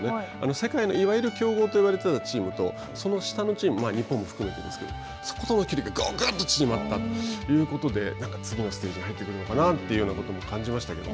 世界のいわゆる強豪と言われてたチームとその下のチーム、日本も含めてですけど、そことの距離が縮まったということで、なんか次のステージに入っていくのかなということも感じましたけど。